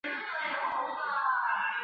斛斯椿之孙。